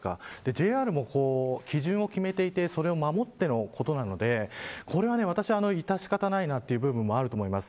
ＪＲも基準を決めていてそれを守ってのことなのでこれは私は致し方ないなという部分もあると思います。